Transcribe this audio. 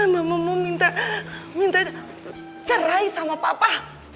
mama mau minta cerai sama papa